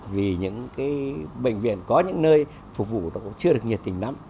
vì những cái bệnh viện có những nơi phục vụ nó cũng chưa được nhiệt tình lắm